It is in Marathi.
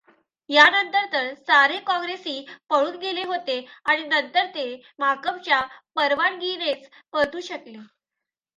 यानंतर तर सारे काँग्रेसी पळून गेले होते आणि नंतर ते माकपच्या परवानगीनेच परतू शकले.